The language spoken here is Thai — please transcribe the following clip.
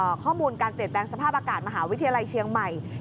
ข้อมูลการเปลี่ยนแปลงสภาพอากาศมหาวิทยาลัยเชียงใหม่